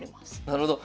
なるほど。